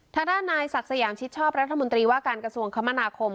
ทางด้านนายศักดิ์สยามชิดชอบรัฐมนตรีว่าการกระทรวงคมนาคม